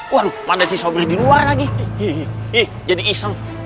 waduh mana si sombrer di luar lagi jadi iseng